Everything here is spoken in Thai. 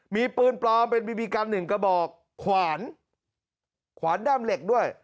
มีปืนปลอมเป็นบีบีกันหนึ่งกระบอกขวานขวานด้ามเหล็กด้วย